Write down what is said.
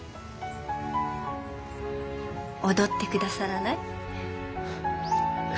踊って下さらない？